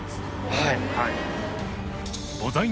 はい。